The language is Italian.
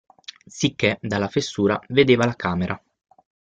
Sicché, dalla fessura, vedeva la camera.